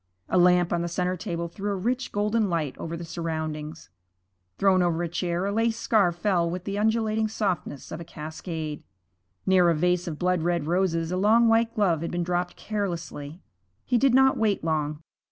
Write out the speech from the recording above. A lamp on the centre table threw a rich, golden light over the surroundings. Thrown over a chair a lace scarf fell with the undulating softness of a cascade. Near a vase of blood red roses a long white glove had been dropped carelessly. He did not wait long.